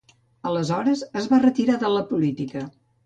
Aleshores es va retirar de la política.